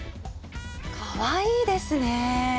かわいいですね。